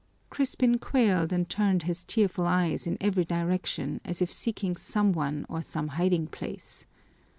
Crispin quailed and turned his tearful eyes in every direction as if seeking some one or some hiding place.